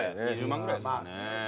２０万ぐらいですかね。